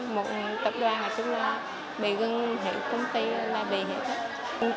một tập đoàn mà chúng ta bị gần thịt công ty là bị hết